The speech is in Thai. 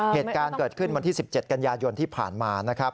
เหตุการณ์เกิดขึ้นวันที่๑๗กันยายนที่ผ่านมานะครับ